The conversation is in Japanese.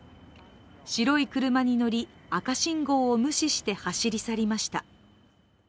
白い車に乗り、赤信号を無視して走り去りました。